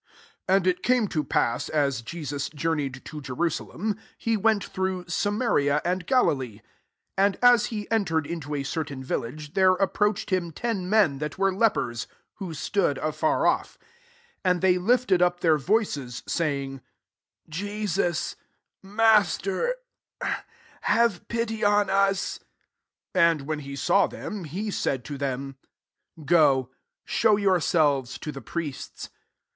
" 11 AwD it came to pass, as «Am(« journeyed to Jerusalem, he Wtitt through Samaria and Gali ke. 13 And as he entered mtoa certain village^ there approach* cd him ten men that were lepers, who stood a£&r off: 13 and they lifted up their voices, saying, Jesus, Master, have pity on us. 14 And, when he saw them^ he said to them, " Go, show yourselves to the priests."